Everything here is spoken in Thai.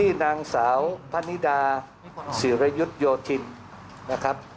ที่นางเสาร์พ้านีราสิรยุโยงธินนะครับ